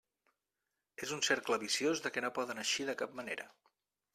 És un cercle viciós de què no poden eixir de cap manera.